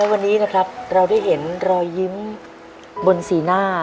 วันนี้นะครับเราได้เห็นรอยยิ้มบนสีหน้า